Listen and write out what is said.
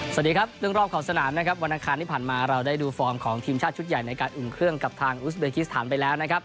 สวัสดีครับเรื่องรอบขอบสนามนะครับวันอังคารที่ผ่านมาเราได้ดูฟอร์มของทีมชาติชุดใหญ่ในการอุ่นเครื่องกับทางอุสเบกิสถานไปแล้วนะครับ